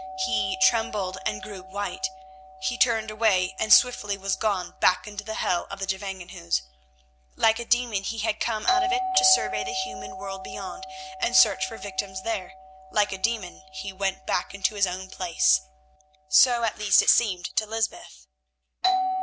He trembled and grew white; he turned away, and swiftly was gone back into the hell of the Gevangenhuis. Like a demon he had come out of it to survey the human world beyond, and search for victims there; like a demon he went back into his own place. So at least it seemed to Lysbeth.